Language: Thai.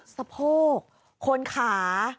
สะโพกคนขา